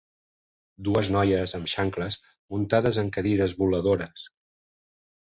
Dues noies amb xancles muntades en cadires voladores.